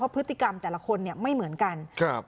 พฤติกรรมแต่ละคนเนี่ยไม่เหมือนกัน